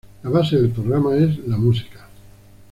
La base del programa es la música.